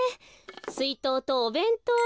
すいとうとおべんとう。